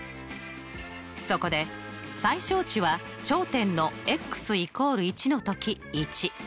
そこで最小値は頂点の＝１のとき１。